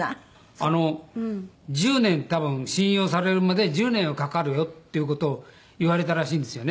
あの１０年「多分信用されるまで１０年はかかるよ」っていう事を言われたらしいんですよね。